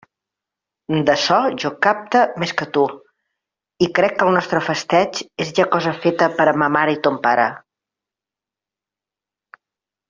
D'açò jo «capte» més que tu, i crec que el nostre festeig és ja cosa feta per a ma mare i ton pare.